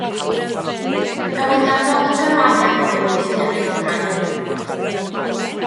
Yr oedd ganddo ddigon o arian i fyw yn gysurus o ran hynny.